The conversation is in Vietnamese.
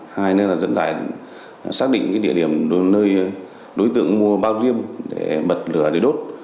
hai nơi là dẫn dạy xác định địa điểm nơi đối tượng mua bao riêng để bật lửa để đốt